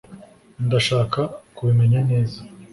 ndashaka kubimenya neza